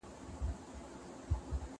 ګڼ خلګ اوږد ډنډ ړنګوي.